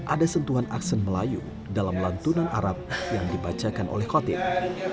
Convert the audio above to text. ada sentuhan aksen melayu dalam lantunan arab yang dibacakan oleh khotib